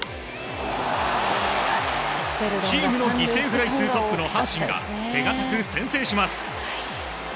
チームの犠牲フライ数トップの阪神が、手堅く先制します。